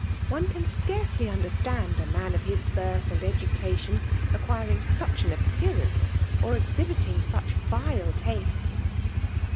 One can scarcely understand a man of his birth and education acquiring such an appearance, or exhibiting such vile taste."